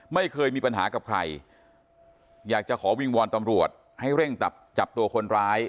ไม่เคยมีปัญหากับใครอยากจะขอวิงวอนตำรวจให้เร่งจับตัวคนร้าย